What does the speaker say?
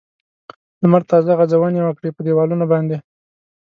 لمر تازه غځونې وکړې په دېوالونو باندې.